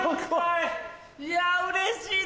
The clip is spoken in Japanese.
いやうれしい！